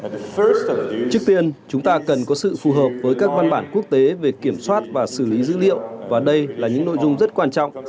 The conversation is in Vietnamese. trước tiên chúng ta cần có sự phù hợp với các văn bản quốc tế về kiểm soát và xử lý dữ liệu và đây là những nội dung rất quan trọng